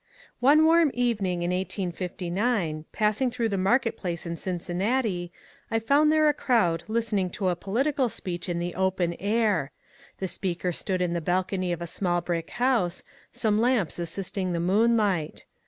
One warm evening in 1859, passing through the market place in Cincinnati, I found there a crowd listening to a political speech in the open air. The speaker stood in the balcony of a small brick house, some lamps assisting the moonlight.